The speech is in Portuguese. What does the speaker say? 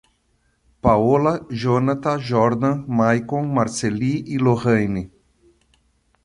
Paola, Jónata, Jordan, Maicon, Marceli e Loraine